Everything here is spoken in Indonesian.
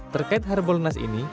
terkait harbolnas ini